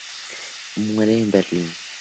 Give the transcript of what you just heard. Muere en Berlín.